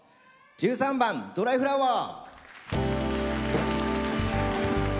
１３番「ドライフラワー」。